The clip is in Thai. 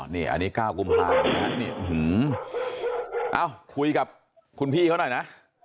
อ๋อนี่อันนี้เก้ากุมภาพนี่ฮะนี่อืมอ้าวคุยกับคุณพี่เขาหน่อยนะ